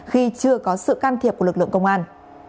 khi chưa có sự can thiệp của lực lượng công an